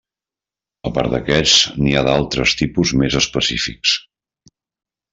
A part d'aquests, n'hi ha d'altres tipus més específics.